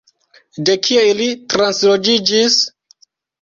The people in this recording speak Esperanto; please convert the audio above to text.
De kie ili transloĝigis?